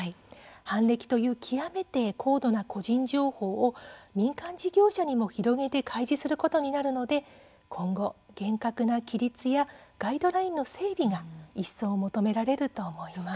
犯歴という極めて高度な個人情報を民間事業者にも広げて開示することになるので今後、厳格な規律やガイドラインの整備が一層、求められると思います。